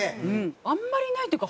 あんまりないっていうか